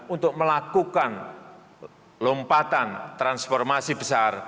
untuk melakukan lompatan transformasi besar